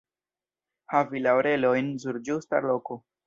Havi la orelojn sur ĝusta loko.